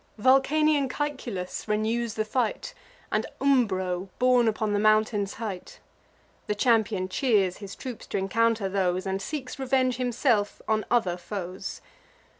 Vulcanian Caeculus renews the fight, And Umbro, born upon the mountains' height. The champion cheers his troops t' encounter those, And seeks revenge himself on other foes.